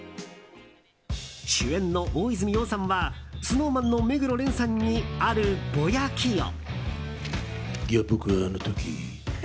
主演の大泉洋さんはＳｎｏｗＭａｎの目黒蓮さんにあるボヤキを。